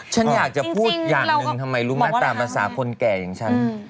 ฉันอยากจะพูดอย่างนึงทำไมลูผมว่าสามระษาคนแก่อย่างฉัน